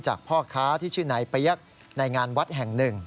พ่อค้าที่ชื่อนายเปี๊ยกในงานวัดแห่งหนึ่ง